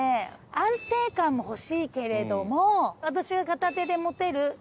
安定感も欲しいけれども私が片手で持てる重さ。